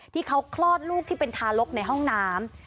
ที่เขาคลอดลูกที่เป็นทารกในห้องน้ำ